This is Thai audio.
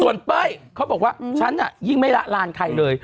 ส่วนเป้ยเขาบอกว่าฉันน่ะยิ่งไม่ละลานใครเลย